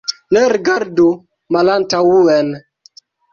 Ne rigardu malantaŭen.